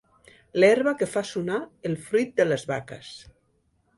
L'herba que fa sonar el fruit de les vaques.